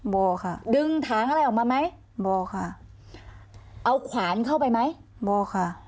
บอกค่ะดึงถังอะไรออกมาไหมบ่อค่ะเอาขวานเข้าไปไหมบ่อค่ะ